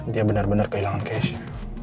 dia benar benar kehilangan cashnya